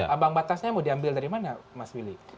ambang batasnya mau diambil dari mana mas willy